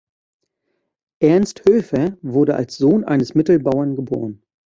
Ernst Höfer wurde als Sohn eines Mittelbauern geboren.